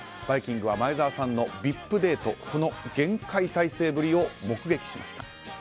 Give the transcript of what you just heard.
「バイキング」は前澤さんのＶＩＰデートその厳戒態勢ぶりを目撃しました。